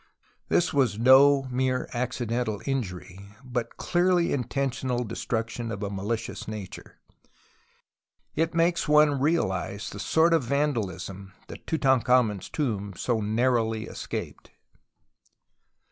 This was no mere accidental injury, but clearly intentional destruction of a malicious nature. It makes one realize the sort of vandalism Tutankhamen's tomb so narrowly escaped.